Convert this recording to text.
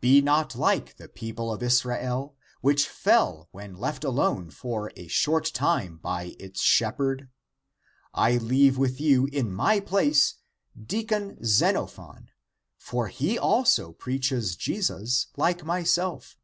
Be not like the people of Israel, which fell when left alone for a short time by its shep herd.^ I leave with you in my place deacon Xeno phon, for he also preaches Jesus like myself.